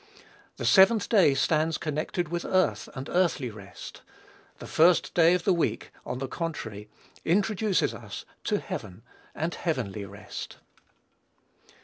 The seventh day stands connected with earth and earthly rest: the first day of the week, on the contrary, introduces us to heaven and heavenly rest.